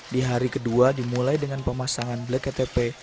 di hari kedua dimulai dengan pemasangan black ktp